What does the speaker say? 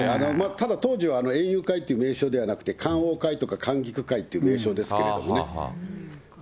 ただ、当時は園遊会って名称ではなくて、観桜会とか観菊会という名称ですけれどもね。